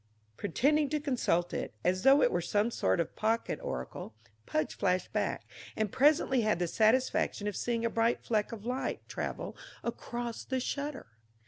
Pretending to consult it, as though it were some sort of pocket oracle, Pudge flashed back, and presently had the satisfaction of seeing a bright fleck of light travel across the shutter.